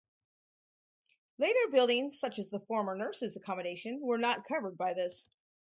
Later buildings, such as the former nurses' accommodation, were not covered by this.